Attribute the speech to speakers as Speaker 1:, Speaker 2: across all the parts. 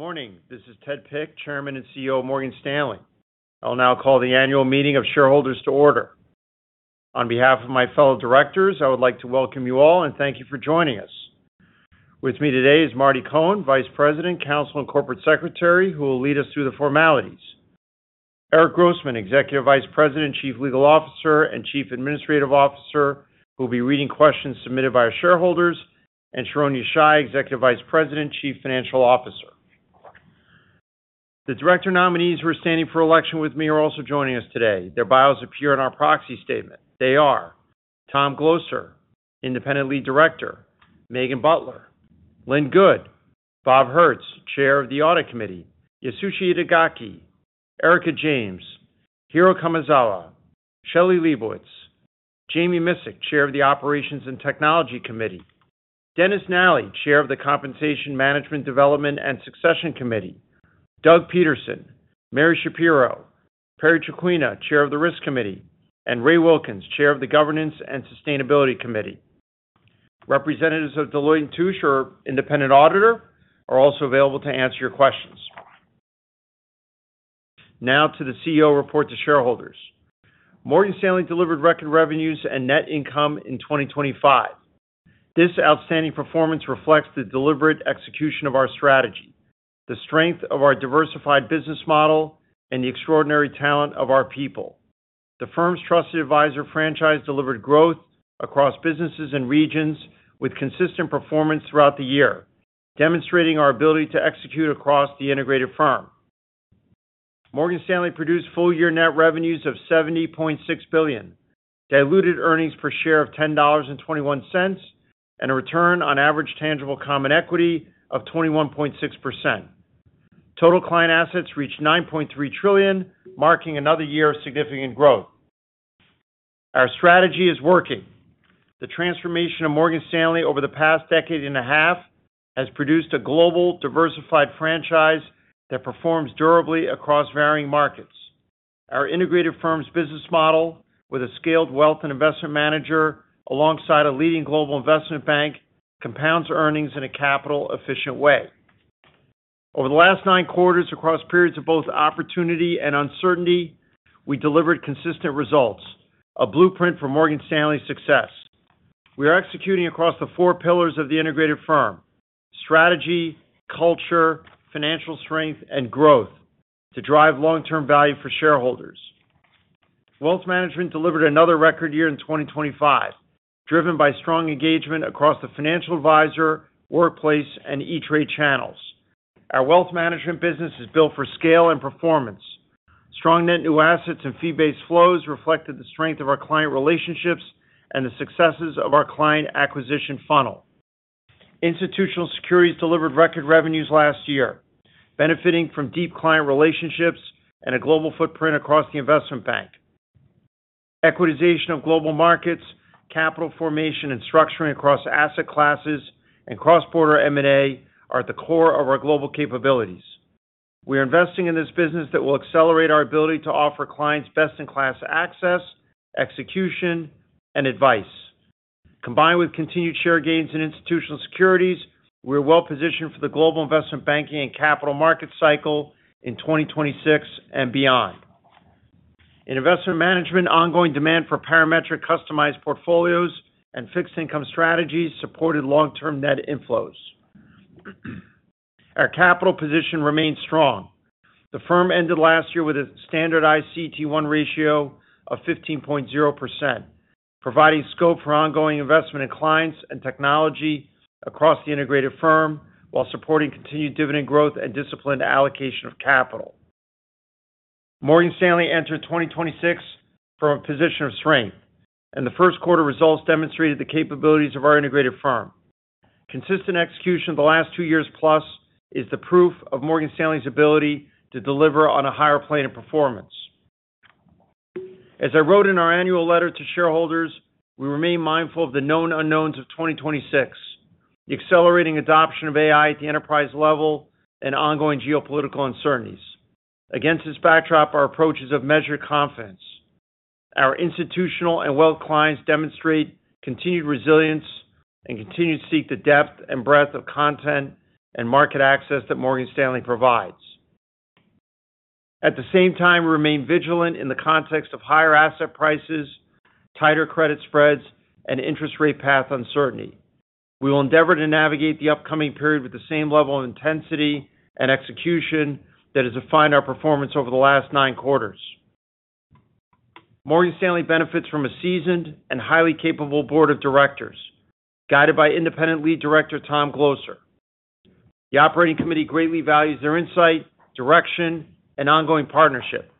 Speaker 1: Good morning. This is Ted Pick, Chairman and Chief Executive Officer of Morgan Stanley. I'll now call the annual meeting of shareholders to order. On behalf of my fellow directors, I would like to welcome you all and thank you for joining us. With me today is Martin Cohen, Vice President, Counsel, and Corporate Secretary, who will lead us through the formalities. Eric Grossman, Executive Vice President, Chief Legal Officer, and Chief Administrative Officer, who will be reading questions submitted by our shareholders. Sharon Yeshaya, Executive Vice President, Chief Financial Officer. The director nominees who are standing for election with me are also joining us today. Their bios appear in our proxy statement. They are Tom Glocer, Independent Lead Director, Megan Butler, Lynn Good, Robert Herz, Chair of the Audit Committee, Yasushi Itagaki, Erika James, Hironori Kamezawa, Shelley Leibowitz, Jami Miscik, Chair of the Operations and Technology Committee, Dennis Nally, Chair of the Compensation Management Development and Succession Committee, Doug Peterson, Mary Schapiro, Perry Traquina, Chair of the Risk Committee, and Rayford Wilkins, Chair of the Governance and Sustainability Committee. Representatives of Deloitte & Touche, our independent auditor, are also available to answer your questions. Now to the CEO report to shareholders. Morgan Stanley delivered record revenues and net income in 2025. This outstanding performance reflects the deliberate execution of our strategy, the strength of our diversified business model, and the extraordinary talent of our people. The firm's trusted advisor franchise delivered growth across businesses and regions with consistent performance throughout the year, demonstrating our ability to execute across the integrated firm. Morgan Stanley produced full-year net revenues of $70.6 billion, diluted earnings per share of $10.21, and a return on average tangible common equity of 21.6%. Total client assets reached $9.3 trillion, marking another year of significant growth. Our strategy is working. The transformation of Morgan Stanley over the past decade and a half has produced a global diversified franchise that performs durably across varying markets. Our integrated firm's business model with a scaled wealth and investment manager alongside a leading global investment bank compounds earnings in a capital efficient way. Over the last nine quarters across periods of both opportunity and uncertainty, we delivered consistent results, a blueprint for Morgan Stanley's success. We are executing across the four pillars of the integrated firm, strategy, culture, financial strength, and growth to drive long-term value for shareholders. Wealth Management delivered another record year in 2025, driven by strong engagement across the financial advisor, workplace, and E*TRADE channels. Our Wealth Management business is built for scale and performance. Strong net new assets and fee-based flows reflected the strength of our client relationships and the successes of our client acquisition funnel. Institutional Securities delivered record revenues last year, benefiting from deep client relationships and a global footprint across the Investment Bank. Equitization of Global Markets, capital formation, and structuring across asset classes and cross-border M&A are at the core of our global capabilities. We're investing in this business that will accelerate our ability to offer clients best-in-class access, execution, and advice. Combined with continued share gains in Institutional Securities, we're well-positioned for the global investment banking and capital market cycle in 2026 and beyond. In investment management, ongoing demand for Parametric customized portfolios and fixed income strategies supported long-term net inflows. Our capital position remains strong. The firm ended last year with a standardized CET1 ratio of 15.0%, providing scope for ongoing investment in clients and technology across the integrated firm while supporting continued dividend growth and disciplined allocation of capital. Morgan Stanley entered 2026 from a position of strength, and the first quarter results demonstrated the capabilities of our integrated firm. Consistent execution the last 2+ years is the proof of Morgan Stanley's ability to deliver on a higher plane of performance. As I wrote in our annual letter to shareholders, we remain mindful of the known unknowns of 2026, the accelerating adoption of AI at the enterprise level, and ongoing geopolitical uncertainties. Against this backdrop, our approach is of measured confidence. Our institutional and wealth clients demonstrate continued resilience and continue to seek the depth and breadth of content and market access that Morgan Stanley provides. At the same time, we remain vigilant in the context of higher asset prices, tighter credit spreads, and interest rate path uncertainty. We will endeavor to navigate the upcoming period with the same level of intensity and execution that has defined our performance over the last nine quarters. Morgan Stanley benefits from a seasoned and highly capable board of directors, guided by Independent Lead Director Tom Glocer. The operating committee greatly values their insight, direction, and ongoing partnership.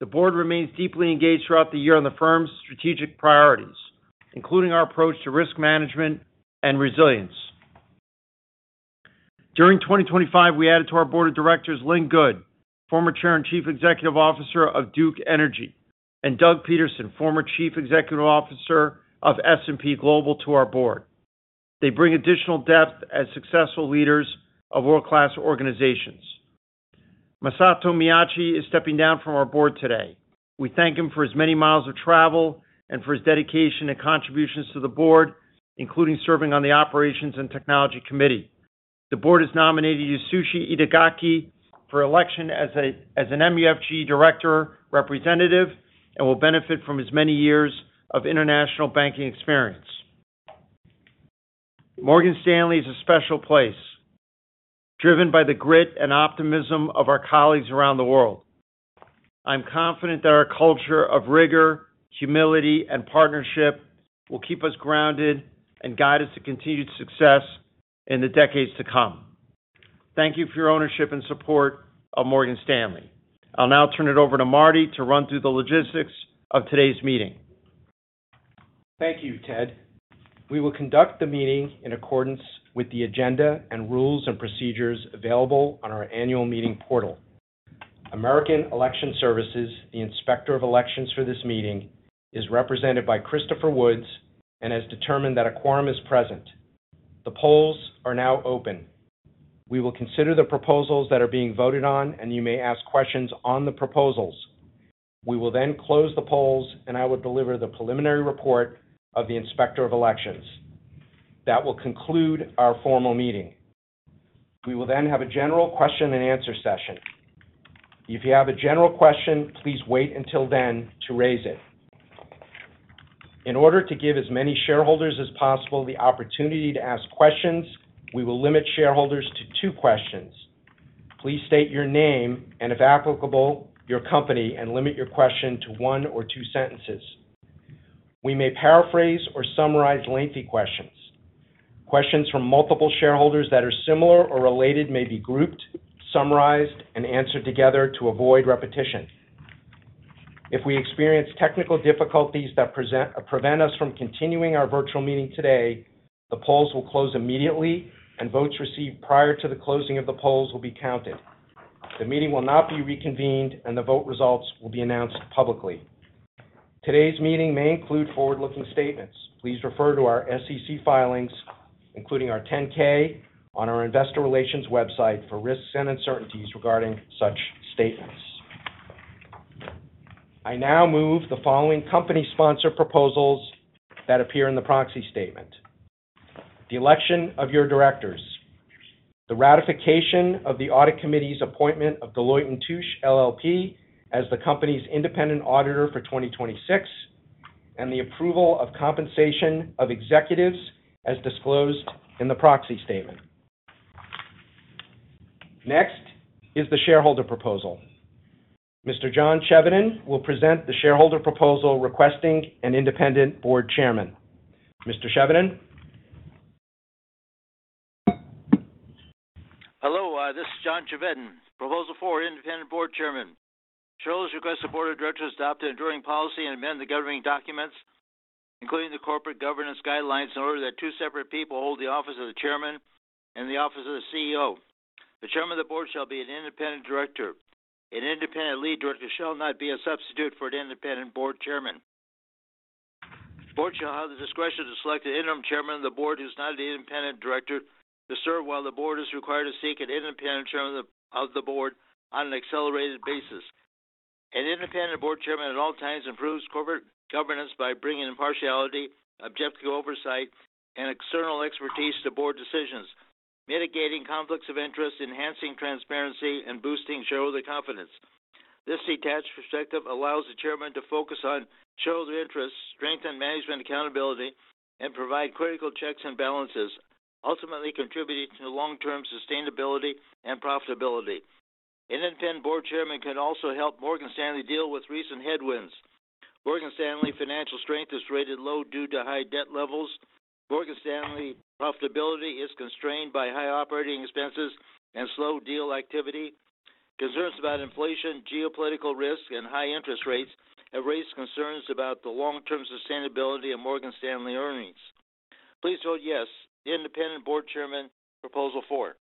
Speaker 1: The board remains deeply engaged throughout the year on the firm's strategic priorities, including our approach to risk management and resilience. During 2025, we added to our board of directors Lynn Good, former Chair and Chief Executive Officer of Duke Energy, and Doug Peterson, former Chief Executive Officer of S&P Global, to our board. They bring additional depth as successful leaders of world-class organizations. Masato Miyachi is stepping down from our board today. We thank him for his many miles of travel and for his dedication and contributions to the board, including serving on the Operations and Technology Committee. The board has nominated Yasushi Itagaki for election as an MUFG director representative and will benefit from his many years of international banking experience. Morgan Stanley is a special place, driven by the grit and optimism of our colleagues around the world. I'm confident that our culture of rigor, humility, and partnership will keep us grounded and guide us to continued success in the decades to come. Thank you for your ownership and support of Morgan Stanley. I'll now turn it over to Marty to run through the logistics of today's meeting.
Speaker 2: Thank you, Ted. We will conduct the meeting in accordance with the agenda and rules and procedures available on our annual meeting portal. American Election Services, the Inspector of Elections for this meeting, is represented by Christopher Woods and has determined that a quorum is present. The polls are now open. We will consider the proposals that are being voted on, and you may ask questions on the proposals. We will close the polls, and I will deliver the preliminary report of the Inspector of Elections. That will conclude our formal meeting. We will have a general question and answer session. If you have a general question, please wait until then to raise it. In order to give as many shareholders as possible the opportunity to ask questions, we will limit shareholders to two questions. Please state your name and, if applicable, your company, and limit your question to one or two sentences. We may paraphrase or summarize lengthy questions. Questions from multiple shareholders that are similar or related may be grouped, summarized, and answered together to avoid repetition. If we experience technical difficulties that prevent us from continuing our virtual meeting today, the polls will close immediately, and votes received prior to the closing of the polls will be counted. The meeting will not be reconvened, and the vote results will be announced publicly. Today's meeting may include forward-looking statements. Please refer to our SEC filings, including our 10-K, on our investor relations website for risks and uncertainties regarding such statements. I now move the following company-sponsored proposals that appear in the proxy statement: the election of your directors, the ratification of the audit committee's appointment of Deloitte & Touche LLP as the company's independent auditor for 2026, and the approval of compensation of executives as disclosed in the proxy statement. Next is the shareholder proposal. Mr. John Chevedden will present the shareholder proposal requesting an Independent Board Chairman. Mr. Chevedden?
Speaker 3: Hello, this is John Chevedden, proposal 4, Independent Board Chairman. Shareholders request the Board of Directors adopt an enduring policy and amend the governing documents, including the Corporate Governance Guidelines, in order that two separate people hold the office of the Chairman and the office of the CEO. The Chairman of the Board shall be an independent director. An Independent Lead Director shall not be a substitute for an Independent Board Chairman. Board shall have the discretion to select an interim Chairman of the Board who's not an independent director to serve while the Board is required to seek an Independent Chairman of the Board on an accelerated basis. An Independent Board Chairman at all times improves Corporate Governance by bringing impartiality, objective oversight, and external expertise to Board decisions, mitigating conflicts of interest, enhancing transparency, and boosting shareholder confidence. This detached perspective allows the chairman to focus on shareholder interests, strengthen management accountability, and provide critical checks and balances, ultimately contributing to long-term sustainability and profitability. An Independent Board Chairman can also help Morgan Stanley deal with recent headwinds. Morgan Stanley financial strength is rated low due to high debt levels. Morgan Stanley profitability is constrained by high operating expenses and slow deal activity. Concerns about inflation, geopolitical risk, and high interest rates have raised concerns about the long-term sustainability of Morgan Stanley earnings. Please vote yes, Independent Board Chairman proposal 4.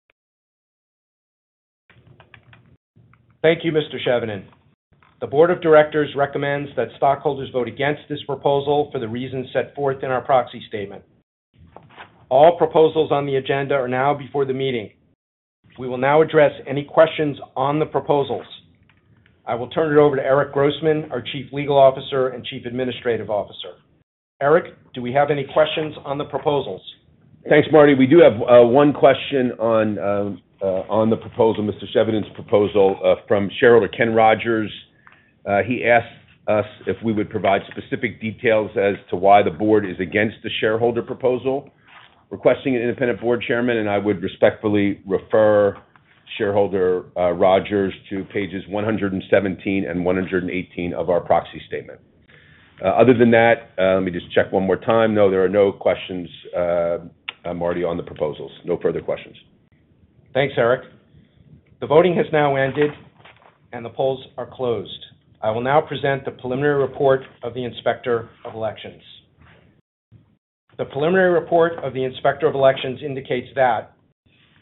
Speaker 2: Thank you, Mr. Chevedden. The Board of Directors recommends that stockholders vote against this proposal for the reasons set forth in our proxy statement. All proposals on the agenda are now before the meeting. We will now address any questions on the proposals. I will turn it over to Eric Grossman, our Chief Legal Officer and Chief Administrative Officer. Eric, do we have any questions on the proposals?
Speaker 4: Thanks, Martin Cohen. We do have one question on the proposal, John Chevedden's proposal, from shareholder Ken Rogers. He asks us if we would provide specific details as to why the Board is against the shareholder proposal requesting an Independent Board Chairman. I would respectfully refer shareholder Rogers to pages 117 and 118 of our proxy statement. Other than that, let me just check one more time. No, there are no questions, Martin Cohen, on the proposals. No further questions.
Speaker 2: Thanks, Eric. The voting has now ended, and the polls are closed. I will now present the preliminary report of the Inspector of Elections. The preliminary report of the Inspector of Elections indicates that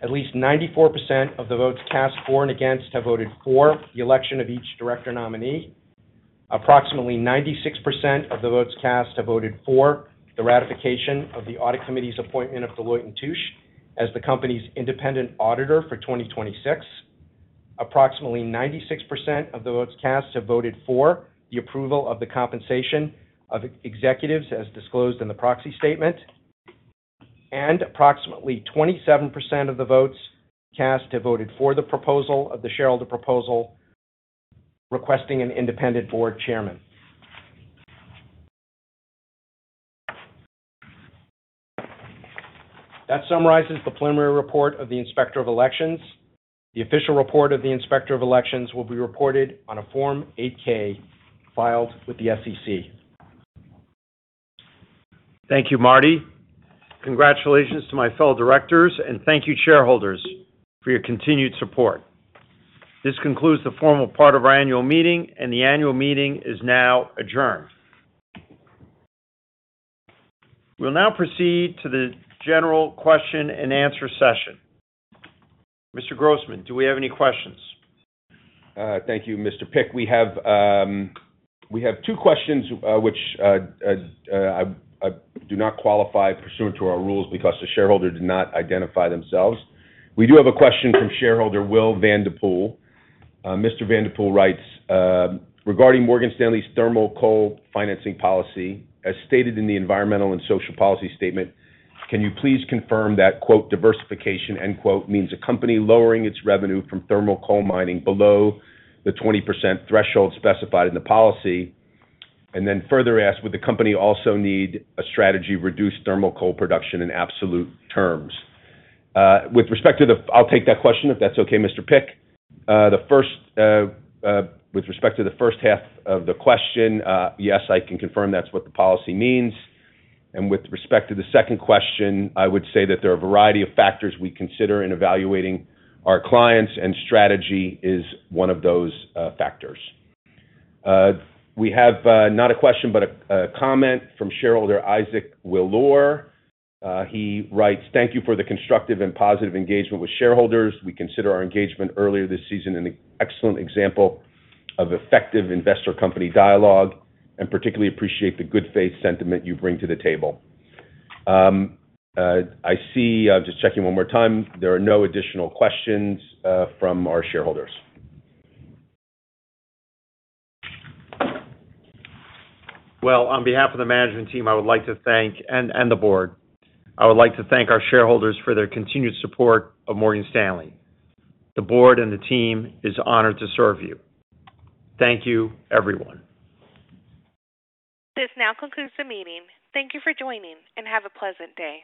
Speaker 2: at least 94% of the votes cast for and against have voted for the election of each director nominee. Approximately 96% of the votes cast have voted for the ratification of the audit committee's appointment of Deloitte & Touche as the company's independent auditor for 2026. Approximately 96% of the votes cast have voted for the approval of the compensation of executives as disclosed in the proxy statement. Approximately 27% of the votes cast have voted for the proposal of the shareholder proposal requesting an Independent Board Chairman. That summarizes the preliminary report of the Inspector of Elections. The official report of the Inspector of Elections will be reported on a Form 8-K filed with the SEC.
Speaker 1: Thank you, Marty. Congratulations to my fellow directors, and thank you, shareholders, for your continued support. This concludes the formal part of our annual meeting, and the annual meeting is now adjourned. We'll now proceed to the general question and answer session. Mr. Grossman, do we have any questions?
Speaker 4: Thank you, Mr. Pick. We have two questions which I do not qualify pursuant to our rules because the shareholder did not identify themselves. We do have a question from shareholder Will van de Pol. Mr. van de Pol writes, "Regarding Morgan Stanley's thermal coal financing policy, as stated in the environmental and social policy statement, can you please confirm that quote, diversification, end quote, means a company lowering its revenue from thermal coal mining below the 20% threshold specified in the policy?" Further asks, "Would the company also need a strategy reduce thermal coal production in absolute terms?" I'll take that question, if that's okay, Mr. Pick. The first, with respect to the first half of the question, yes, I can confirm that's what the policy means. With respect to the second question, I would say that there are a variety of factors we consider in evaluating our clients and strategy is one of those factors. We have not a question, but a comment from shareholder Isaac Willour. He writes, "Thank you for the constructive and positive engagement with shareholders. We consider our engagement earlier this season an excellent example of effective investor-company dialogue, and particularly appreciate the good faith sentiment you bring to the table." I see, I'm just checking one more time, there are no additional questions from our shareholders.
Speaker 1: Well, on behalf of the management team and the board, I would like to thank our shareholders for their continued support of Morgan Stanley. The board and the team is honored to serve you. Thank you, everyone.
Speaker 5: This now concludes the meeting. Thank you for joining, and have a pleasant day.